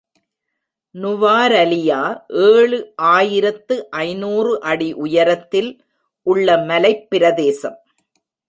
நுவாரலியா ஏழு ஆயிரத்து ஐநூறு அடி உயரத்தில் உள்ள மலைப் பிரதேசம்.